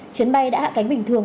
chuyến bay đã hạ cánh bình thường